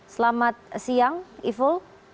selamat siang iful